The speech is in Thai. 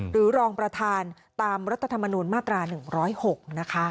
รองประธานตามรัฐธรรมนูญมาตรา๑๐๖นะคะ